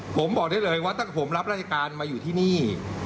ผมบอกได้เลยว่าถ้าผมรับราชการมาอยู่ที่นี่